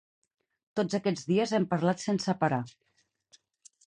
Tots aquests dies hem parlat sense parar.